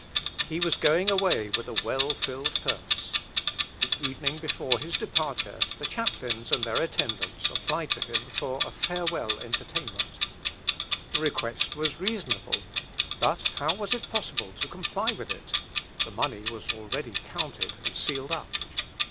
He was going away with a well filled purse. The evening before his departure the chaplains and their attendants applied to him for a farewell entertainment. The request was reasonable; but how was it possible to comply with it? the money was already counted and sealed up.